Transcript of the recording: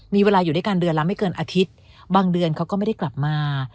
มีเวลาอยู่ด้วยกันเดือนละไม่เกินอาทิตย์บางเดือนเขาก็ไม่ได้กลับมา